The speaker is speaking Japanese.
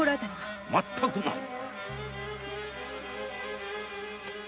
全くない。